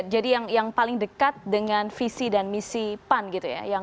jadi yang paling dekat dengan visi dan misi pan gitu ya